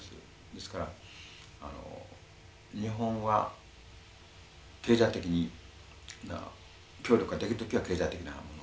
ですからあの日本は経済的な協力ができる時は経済的なものをやる。